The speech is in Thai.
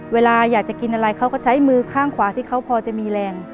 เวลาอยากจะกินอะไรเขาก็ใช้มือข้างขวาที่เขาพอจะมีแรง